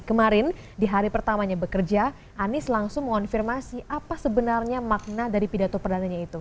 kemarin di hari pertamanya bekerja anies langsung mengonfirmasi apa sebenarnya makna dari pidato perdananya itu